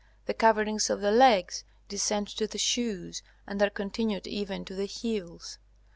The coverings of the legs descend to the shoes and are continued even to the heels.